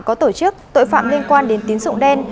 có tổ chức tội phạm liên quan đến tín dụng đen